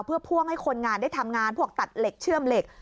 เพื่อพ่วงให้คนงานได้ทำงานพวกตัดเหล็กเชื่อมเหล็ก